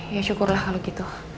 ya syukurlah kalau gitu